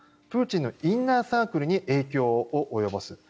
プーチンのインナーサークルに影響を及ぼす。